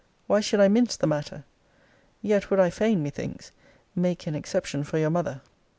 Why should I mince the matter? Yet would I fain, methinks, make an exception for your mother.